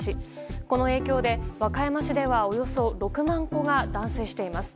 この影響で和歌山市ではおよそ６万戸が断水しています。